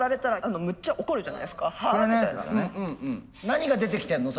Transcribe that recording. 何が出てきてるの？